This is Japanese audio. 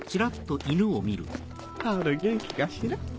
ハウル元気かしら？